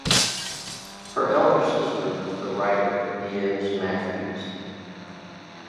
Her elder sister was the writer Nieves Mathews.